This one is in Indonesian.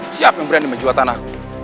siapa yang berani menjual tanah